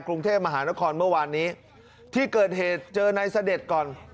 กรุงเทพมหานครเมื่อวานนี้ที่เกิดเหตุเจอนายเสด็จก่อน